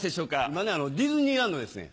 今ねディズニーランドですね。